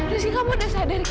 rizky kamu udah sadar ki